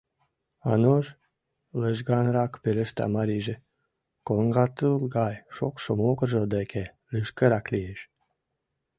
— Ануш... — лыжганрак пелешта марийже, коҥгатул гай шокшо могыржо деке лишкырак лиеш.